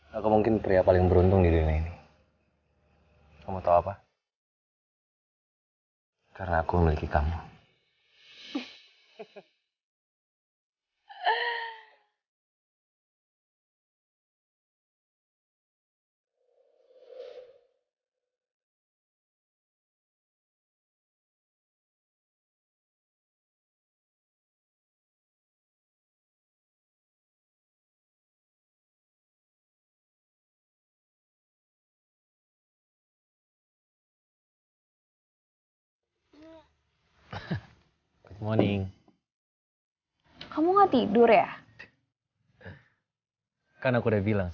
gak mungkin pria paling beruntung di dunia ini